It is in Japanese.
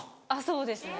そうですね。